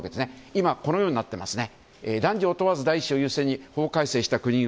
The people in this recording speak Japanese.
今、このようになってますね。